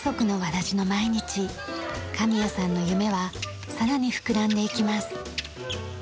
神矢さんの夢はさらに膨らんでいきます。